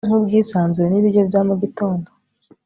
nkubwisanzure nibiryo bya mugitondo